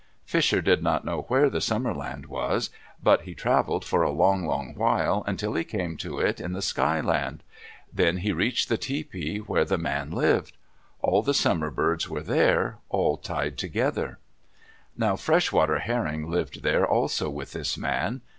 Fisher did not know where the Summer Land was, but he traveled for a long, long while until he came to it in the Sky Land. Then he reached the tepee where the man lived. All the Summer Birds were there, all tied together. Now Fresh water Herring lived there also with this man.